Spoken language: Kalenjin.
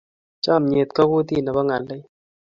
chamiet ko kutit nebo ngalek